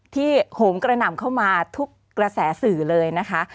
โหมกระหน่ำเข้ามาทุกกระแสสื่อเลยนะคะ